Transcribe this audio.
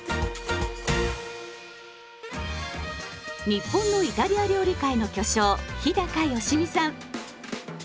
日本のイタリア料理界の巨匠日良実さん。